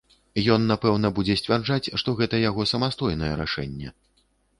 Ён, напэўна, будзе сцвярджаць, што гэта яго самастойнае рашэнне.